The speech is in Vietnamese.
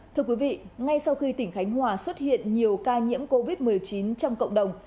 thưa quý vị ngay sau khi tỉnh khánh hòa xuất hiện nhiều ca nhiễm covid một mươi chín trong cộng đồng